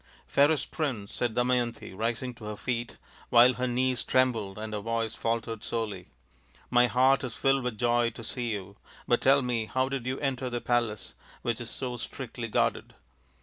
" Fairest Prince/ 5 said Damayanti, rising to her feet, while her knees trembled and her voice faltered sorely, " my heart is filled with joy to see you. But tell me, how did you enter the palace, which is so strictly guarded